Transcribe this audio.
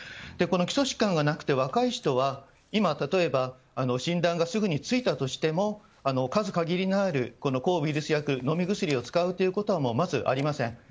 この基礎疾患がなくて若い人は今、例えば診断がすぐについたとしても数限りのある抗ウイルス薬飲み薬を使うことはまずありません。